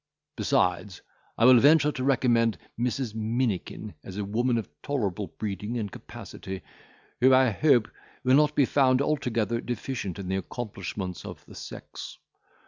Besides, I will venture to recommend Mrs. Minikin as a woman of tolerable breeding and capacity, who, I hope, will not be found altogether deficient in the accomplishments of the sex.